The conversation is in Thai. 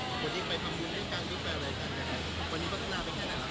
วันนี้พัฒนาเป็นแค่ไหนล่ะค่ะ